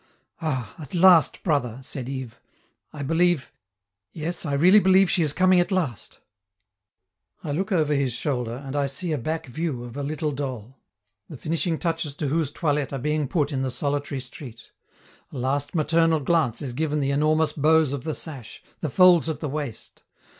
"Ah! at last, brother," said Yves, "I believe yes, I really believe she is coming at last." I look over his shoulder, and I see a back view of a little doll, the finishing touches to whose toilette are being put in the solitary street; a last maternal glance is given the enormous bows of the sash, the folds at the waist.